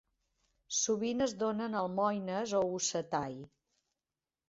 Sovint es donen almoines o "osettai".